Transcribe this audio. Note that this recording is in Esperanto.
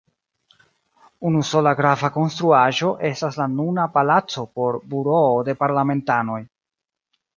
Unusola grava konstruaĵo estas la nuna palaco por buroo de parlamentanoj.